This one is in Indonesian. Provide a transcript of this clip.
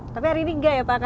tapi hari ini enggak ya pak